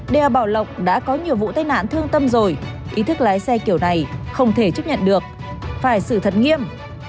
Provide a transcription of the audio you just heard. đèo bảo lộc đã có nhiều vụ tai nạn thương tâm rồi ý thức lái xe kiểu này không thể chấp nhận được phải xử thật nghiêm